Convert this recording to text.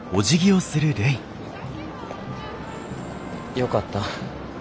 よかった。